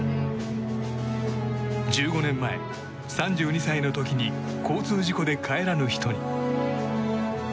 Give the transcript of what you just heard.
１５年前、３２歳の時に交通事故で帰らぬ人に。